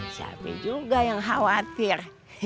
siapa juga yang khawatir